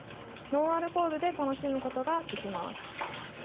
ノンアルコールで楽しむことができます。